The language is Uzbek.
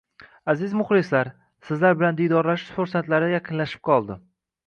Aziz muxlislar, sizlar bilan diydorlashish fursatlari yaqinlashib qoldi.